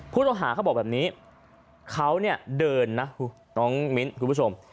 ผู้ต้องหาเขาบอกแบบนี้เขาเดินนะน้องมิ้นท์คุณผู้ชม